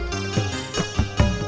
terima kasih bu